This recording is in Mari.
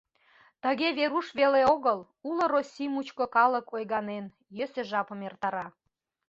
Тыге Веруш веле огыл, уло Россий мучко калык ойганен, йӧсӧ жапым эртара.